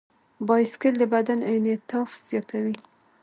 بایسکل د بدن انعطاف زیاتوي.